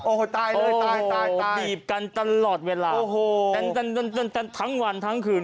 โอ้โหตายเลยตายตายบีบกันตลอดเวลาโอ้โหทั้งวันทั้งคืน